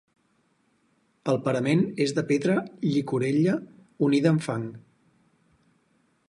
El parament és de pedra llicorella unida amb fang.